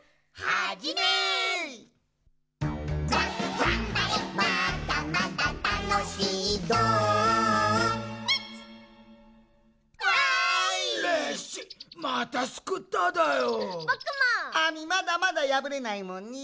アミまだまだやぶれないもんね。